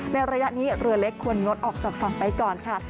ระยะนี้เรือเล็กควรงดออกจากฝั่งไปก่อนค่ะ